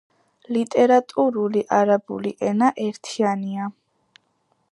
ლიტერატურული არაბული ენა ერთიანია.